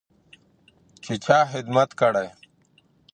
چې چا خدمت کړی.